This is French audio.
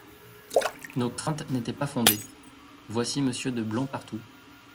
Nos craintes n’étaient pas fondées… voici Monsieur de Blancpartout.